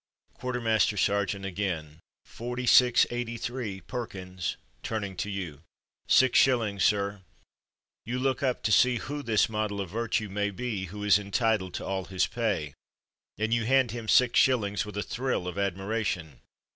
Quartermaster sergeant again :" Forty six eighty three Perkins V (Turn ing to you.) "'Six shillings, sir/' You look up to see who this model of virtue may be who is entitled to all his pay, and you hand him six shillings with a thrill of admiration.